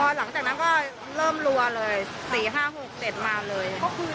หลังจากนั้นก็เริ่มรัวเลย๔๕๖เสร็จมาเลย